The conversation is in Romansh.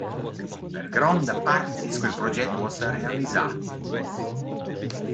Per gronda part es quel proget uossa realisà.